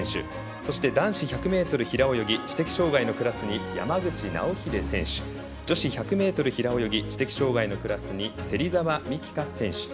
そして、男子１００ｍ平泳ぎ知的障がいのクラスに山口尚秀選手女子１００ｍ平泳ぎ知的障がいのクラスに芹澤美希香選手。